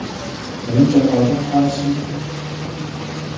你最愛的乖孫